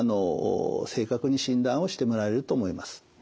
正確に診断をしてもらえると思います。